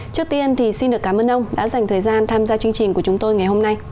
trước tiên thì xin được cảm ơn ông đã dành thời gian tham gia chương trình của chúng tôi ngày hôm nay